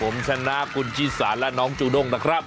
ผมชนะคุณชิสาและน้องจูด้งนะครับ